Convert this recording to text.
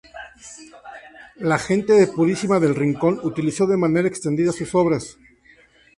La gente de Purísima del Rincón utilizó de manera extendida sus obras.